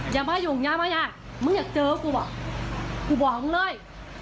อย่ามายุ่งอย่ามาอย่ามึงอยากเจอกูอ่ะกูบอกมึงเลย